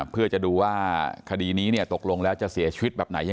เพื่อความชัดเจนเกี่ยวกับสาเหตุการตาย